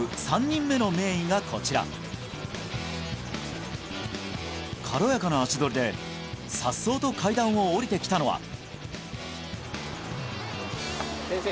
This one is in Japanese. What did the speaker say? ３人目の名医がこちら軽やかな足取りで颯爽と階段を下りてきたのは先生